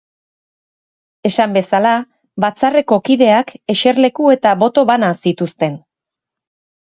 Esan bezala, Batzarreko kideak eserleku eta boto bana zituzten.